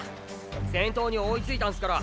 先頭に追いついたんすから！